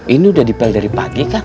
ini udah dipel dari pagi kan